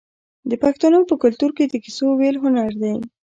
د پښتنو په کلتور کې د کیسو ویل هنر دی.